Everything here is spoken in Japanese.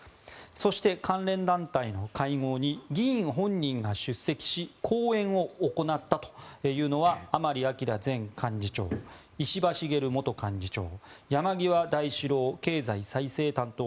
そして、関連団体の会合に議員本人が出席し講演を行ったというのは甘利明前幹事長石破茂元幹事長山際大志郎経済再生担当